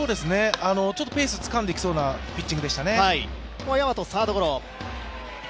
ちょっとペースつかんできそうなピッチングでしたね。